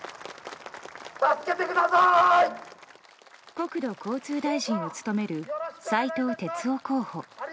国土交通大臣を務める斉藤鉄夫候補。